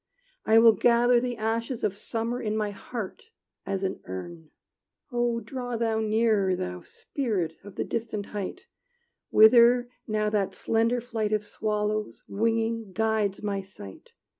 I will gather the ashes of summer In my heart, as an urn. Oh draw thou nearer, Thou Spirit of the distant height, Whither now that slender flight Of swallows, winging, guides my sight!